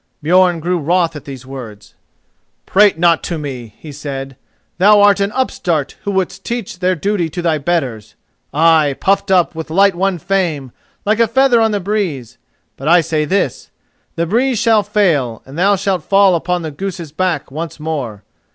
Björn grew wroth at these words. "Prate not to me," he said. "Thou art an upstart who wouldst teach their duty to thy betters—ay, puffed up with light won fame, like a feather on the breeze. But I say this: the breeze shall fail, and thou shalt fall upon the goose's back once more.